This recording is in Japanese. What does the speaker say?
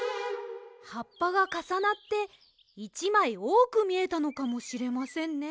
はっぱがかさなって１まいおおくみえたのかもしれませんね。